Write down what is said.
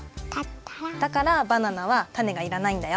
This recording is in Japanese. だからバナナはタネがいらないんだよ。